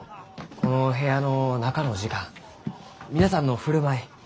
この部屋の中の時間皆さんの振る舞い